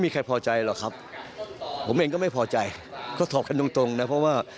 ก็พาไปนะครับ